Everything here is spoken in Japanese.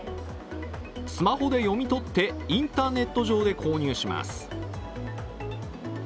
スマホで読み取ってインターネット上で購入します。